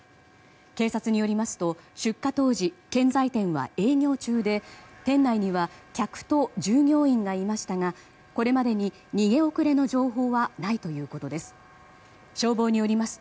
警察によりますと出火当時、建材店は営業中で店内には客と従業員がいましたがこれまでに逃げ遅れの情報はないということです。